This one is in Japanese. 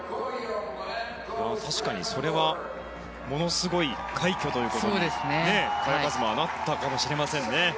確かにそれはものすごい快挙に萱和磨はなったかもしれませんね。